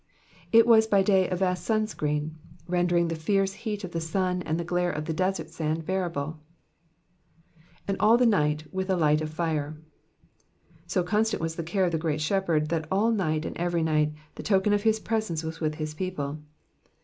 It was by day a vast sun screen, rendering the fierce heat of the sun and the glare of the desert sand bearable. ^^Andauthe night tcith a light o/fire.'*^ So constant was the care of the Great Shepherd that all night and every night the token of his presence was with his people.